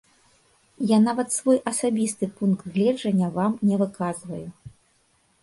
Я нават свой асабісты пункт гледжання вам не выказваю.